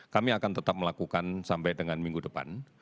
kami akan tetap melakukan sampai dengan minggu depan